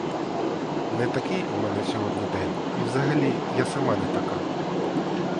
Не такий у мене сьогодні день, і взагалі я сама не така.